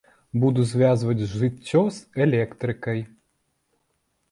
Буду звязваць жыццё з электрыкай.